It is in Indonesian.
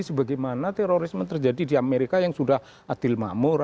sebagaimana terorisme terjadi di amerika yang sudah adil makmur